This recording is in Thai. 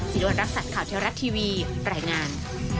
สินวัฒน์รักษัตริย์ข่าวเที่ยวรักทีวีแหล่งงาน